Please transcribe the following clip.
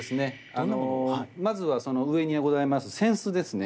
あのまずはその上にございます扇子ですね。